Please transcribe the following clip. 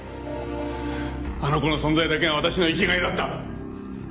あの子の存在だけが私の生きがいだった！